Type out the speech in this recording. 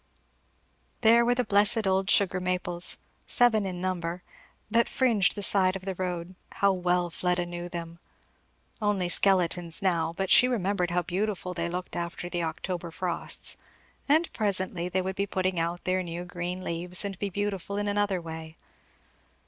There were the blessed old sugar maples, seven in number, that fringed the side of the road, how well Fleda knew them. Only skeletons now, but she remembered how beautiful they looked after the October frosts; and presently they would be putting out their new green leaves and be beautiful in another way.